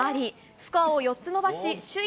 スコアを４つ伸ばし首位